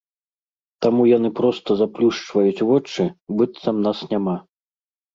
Таму яны проста заплюшчваюць вочы, быццам нас няма.